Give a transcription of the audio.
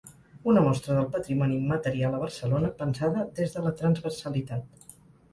Una mostra del patrimoni immaterial a Barcelona pensada des de la transversalitat.